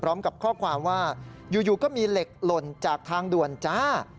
พร้อมกับข้อความว่า